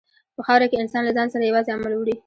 په خاوره کې انسان له ځان سره یوازې عمل وړي.